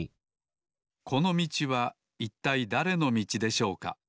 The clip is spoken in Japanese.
このみちはいったいだれのみちでしょうか？